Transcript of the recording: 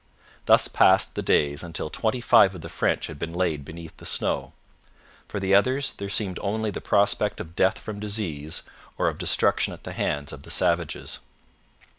Thus passed the days until twenty five of the French had been laid beneath the snow. For the others there seemed only the prospect of death from disease or of destruction at the hands of the savages.